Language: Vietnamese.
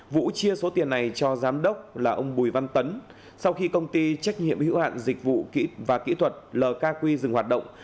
vũ chia số tiền này cho giám đốc là ông bùi văn tấn sau khi công ty trách nhiệm hạng dịch vụ và kỹ thuật lkq dừng hoạt động